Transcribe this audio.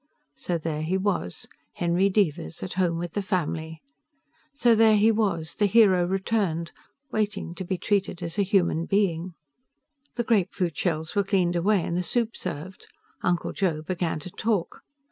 So there he was, Henry Devers, at home with the family. So there he was, the hero returned, waiting to be treated as a human being. The grapefruit shells were cleaned away and the soup served. Uncle Joe began to talk.